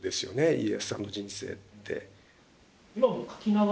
家康さんの人生って。